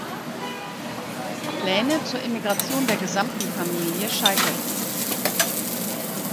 Pläne zur Emigration der gesamten Familie scheiterten.